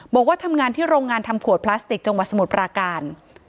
บอกว่าทำงานที่โรงงานทำขวดพลาสติกจังหวัดสมุทรปราการ